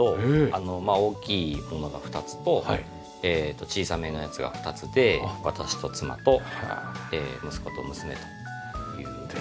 大きいものが２つと小さめのやつが２つで私と妻と息子と娘という事で。